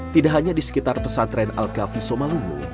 tidak hanya di sekitar pesantren al ghafi somalungu